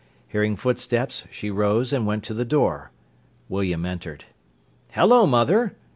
Hearing footsteps, she rose and went to the door. William entered. "Hello, mother!"